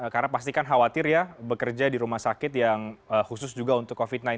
karena pasti kan khawatir ya bekerja di rumah sakit yang khusus juga untuk covid sembilan belas